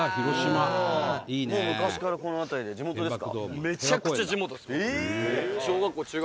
「昔からこの辺りで地元ですか？」